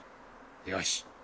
よし。